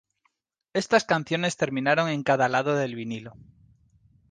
Estas canciones terminaron en cada lado del vinilo.